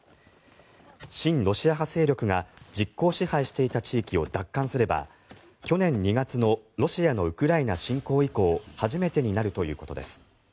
親ロシア派勢力が実効支配していた地域を奪還すれば去年２月のロシアのウクライナ侵攻以降初めてになるということです。